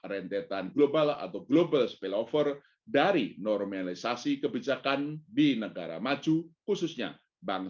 rentetan global atau global spellover dari normalisasi kebijakan di negara maju khususnya